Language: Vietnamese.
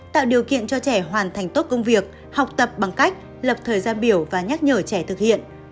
tạo điều kiện cho trẻ hoàn thành tốt công việc học tập bằng cách lập thời gian biểu và nhắc nhở trẻ thực hiện